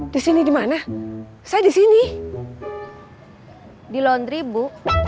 disini dimana saya disini di laundry bu